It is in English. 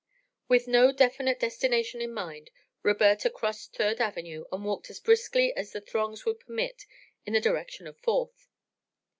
With no definite destination in mind, Roberta crossed Third Avenue and walked as briskly as the throngs would permit in the direction of Fourth.